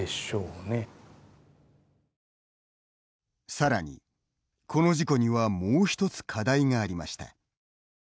さらに、この事故にはもう１つ課題がありました。